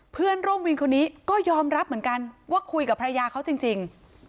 เพื่อนร่วมวินคนนี้ก็ยอมรับเหมือนกันว่าคุยกับภรรยาเขาจริง